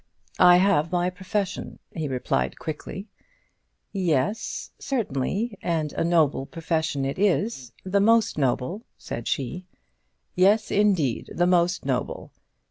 "I have my profession," he replied, quickly. "Yes, certainly; and a noble profession it is, the most noble," said she. "Yes, indeed; the most noble."